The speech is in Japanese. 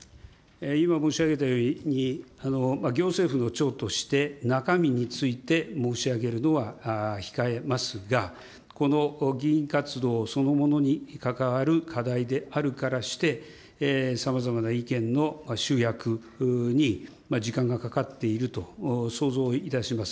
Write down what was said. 今申し上げたように、行政府の長として、中身について申し上げるのは控えますが、この議員活動そのものに関わる課題であるからして、さまざまな意見の集約に時間がかかっていると想像いたします。